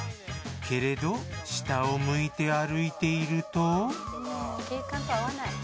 けれど下を向いて歩いていると。